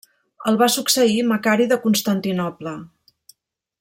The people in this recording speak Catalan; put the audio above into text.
El va succeir Macari de Constantinoble.